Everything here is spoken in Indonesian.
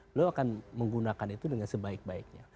beliau akan menggunakan itu dengan sebaik baiknya